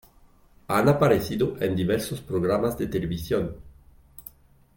Han aparecido en diversos programas de televisión.